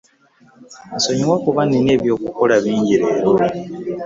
Nsonyiwa kuba nina eby'okukola bingi leero.